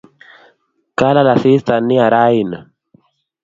Kalal asista nia raini